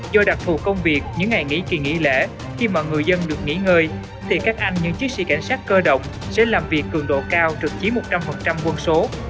do đặc thù công việc những ngày nghỉ kỳ nghỉ lễ khi mọi người dân được nghỉ ngơi thì các anh những chiến sĩ cảnh sát cơ động sẽ làm việc cường độ cao trực chiến một trăm linh quân số